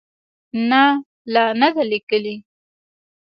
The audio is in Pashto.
نه، لا نه ده لیکلې